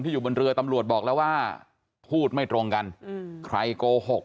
อยู่บนเรือตำรวจบอกแล้วว่าพูดไม่ตรงกันใครโกหก